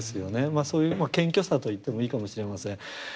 そういう謙虚さと言ってもいいかもしれません。